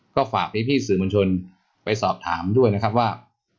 ก็ฝากพี่สื่อมวลชนไปสอบถามด้วยนะครับว่า